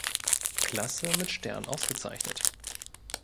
Klasse mit Stern ausgezeichnet.